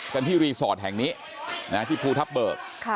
กันที่รีสอร์ทแห่งนี้ที่ภูทับเบิก